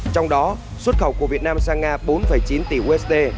trong đó xuất khẩu của việt nam sang nga bốn chín tỷ usd